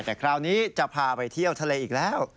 แต่คราวนี้จะพาไปเที่ยวทะเลอีกแล้ว